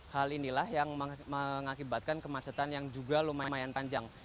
hal inilah yang mengakibatkan kemacetan yang juga lumayan panjang